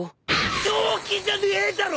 正気じゃねえだろ！